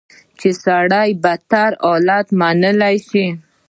چې سړی بدترین حالت منلی شي.